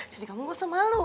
jadi kamu gak usah malu